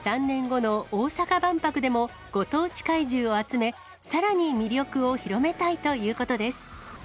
３年後の大阪万博でも、ご当地怪獣を集め、さらに魅力を広めたいということです。